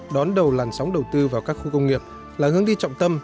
đón đầu làn sóng đầu tư vào các khu công nghiệp là hướng đi trọng tâm